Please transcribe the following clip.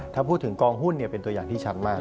ถ้าพูดถึงกองหุ้นเป็นตัวอย่างที่ชัดมาก